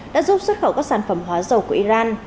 đã giúp xuất khẩu các sản phẩm hóa dầu của iran